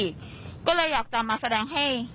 ก็เลยอยากจะมาแสดงให้